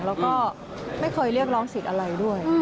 แล้วก็ไม่เคยเรียกร้องสิทธิ์อะไรด้วย